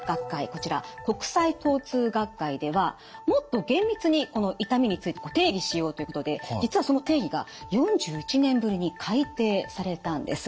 こちら国際疼痛学会ではもっと厳密にこの痛みについて定義しようということで実はその定義が４１年ぶりに改定されたんです。